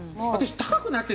高くなってる？